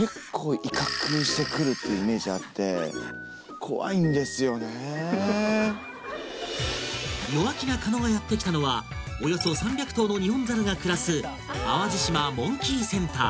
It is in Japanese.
結構っていうイメージあって弱気な狩野がやってきたのはおよそ３００頭のニホンザルが暮らす淡路島モンキーセンター